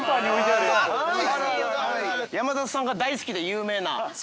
山里さんが大好きで有名な。